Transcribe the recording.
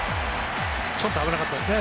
ちょっと危なかったですね。